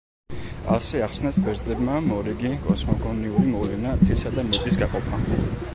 ასე ახსნეს ბერძნებმა მორიგი კოსმოგონიური მოვლენა, ცისა და მიწის გაყოფა.